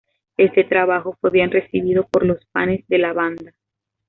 Este trabajo fue bien recibido por los fanes de la banda.